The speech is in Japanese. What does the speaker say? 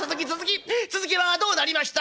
続きはどうなりました？」。